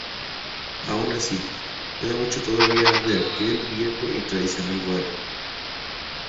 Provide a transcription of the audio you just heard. Aun así, queda mucho todavía de aquel viejo y tradicional barrio.